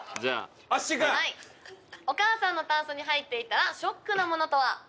お母さんのタンスに入っていたらショックな物とは？